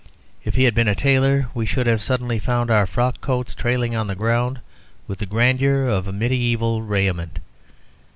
If he had been a tailor, we should have suddenly found our frock coats trailing on the ground with the grandeur of mediæval raiment.